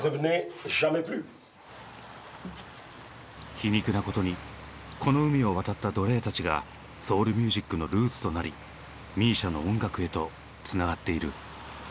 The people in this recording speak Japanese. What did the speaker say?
皮肉なことにこの海を渡った奴隷たちがソウルミュージックのルーツとなりＭＩＳＩＡの音楽へとつながっている。